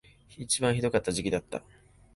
一番ひどかった時期だった